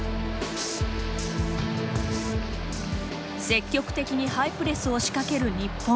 積極的にハイプレスを仕掛ける日本。